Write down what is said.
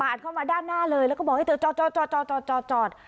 ปาดเข้ามาด้านหน้าเลยแล้วก็บอกให้จอดจอดจอดจอดจอดจอด